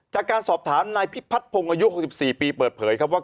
จากการสอบถามนายพิพัฒนพงศ์อายุ๖๔ปีเปิดเผยครับว่า